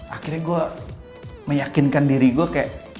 akhirnya gue meyakinkan diri gue kayak